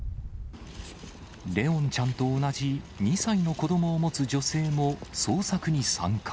怜音ちゃんと同じ２歳の子どもを持つ女性も捜索に参加。